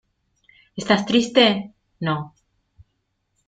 ¿ estás triste? no.